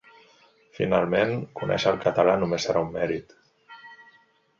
Finalment, conèixer el català només serà un mèrit.